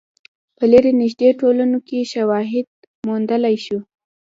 په لرې نژدې ټولنو کې شواهد موندلای شو.